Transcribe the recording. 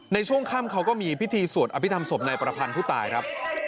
ในช่วงค่ำเขาก็มีพิธีสวดอภิษฐรรศพนายประพันธ์ผู้ตายครับ